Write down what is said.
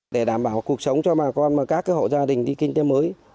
để đảm bảo cuộc sống cho bà con và các hộ gia đình đi kinh tế mới